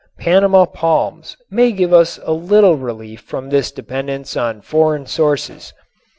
Panama palms may give us a little relief from this dependence on foreign sources.